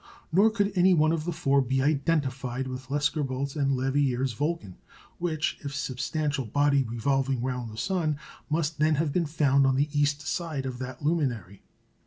Nor could any one of the four be identified with Lescarbault's and Leverrier's Vulcan, which, if a substantial body revolving round the sun, must then have been found on the east side of that luminary.